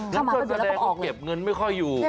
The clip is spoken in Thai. นี่ก็แสดงว่าเก็บเงินไม่ค่อยอยู่